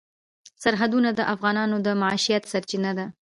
سرحدونه د افغانانو د معیشت سرچینه ده.